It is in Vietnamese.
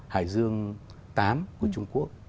hải dương tám của trung quốc